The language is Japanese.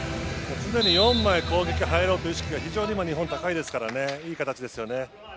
常に４枚攻撃に入ろうという意識が非常に今、日本は高いですからいい形ですよね。